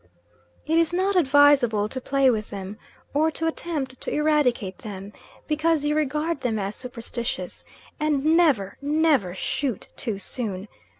It is not advisable to play with them, or to attempt to eradicate them, because you regard them as superstitious; and never, never shoot too soon.